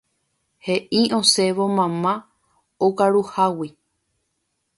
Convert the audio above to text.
He'i osẽvo mamá okaruhágui.